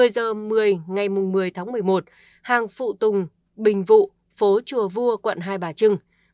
một mươi giờ một mươi ngày một mươi tháng một mươi một hàng phụ tùng bình vụ phố chùa vua quận hai bà trưng